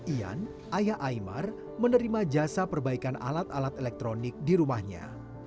ian ayah imar menerima jasa perbaikan alat alat elektronik di rumahnya